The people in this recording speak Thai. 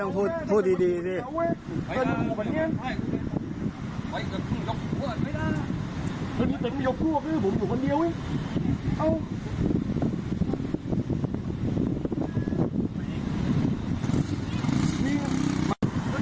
ค่ะ